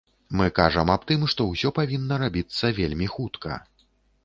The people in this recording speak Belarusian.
Мы кажам аб тым, што ўсё павінна рабіцца вельмі хутка.